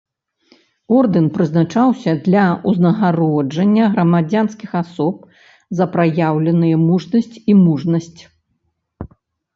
Ордэн прызначаўся для ўзнагароджання грамадзянскіх асоб за праяўленыя мужнасць і мужнасць.